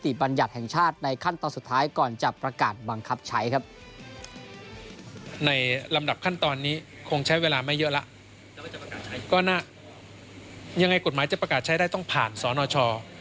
ก็ยังไงกฎหมายจะประกาศใช้ได้ต้องผ่านสนช